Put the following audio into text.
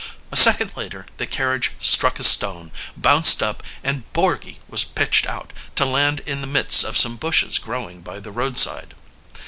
A second later the carriage struck a stone, bounced up, and Borgy was pitched out, to land in the midst of some bushes growing by the roadside.